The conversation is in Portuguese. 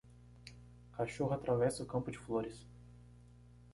Cachorro atravessa o campo de flores